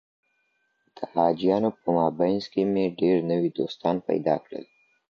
د حاجیانو په مابينځ کي مي ډېر نوي دوستان پیدا کړل.